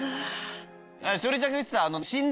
栞里ちゃんが言ってた。